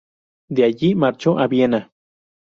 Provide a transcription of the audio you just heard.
De allí marchó a Viena.